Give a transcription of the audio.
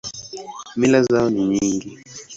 Mila zao ni nyingi.